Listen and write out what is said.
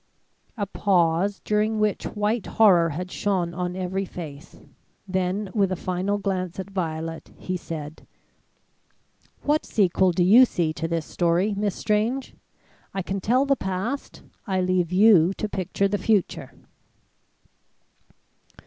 A pause during which white horror had shone on every face; then with a final glance at Violet, he said: "What sequel do you see to this story, Miss Strange? I can tell the past, I leave you to picture the future."